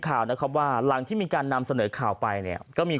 ข่าวนะครับว่าหลังที่มีการนำเสนอข่าวไปเนี่ยก็มี